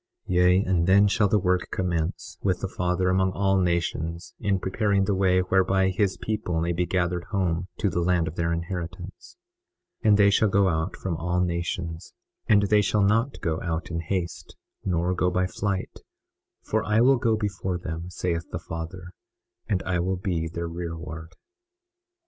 21:28 Yea, and then shall the work commence, with the Father among all nations in preparing the way whereby his people may be gathered home to the land of their inheritance. 21:29 And they shall go out from all nations; and they shall not go out in haste, nor go by flight, for I will go before them, saith the Father, and I will be their rearward.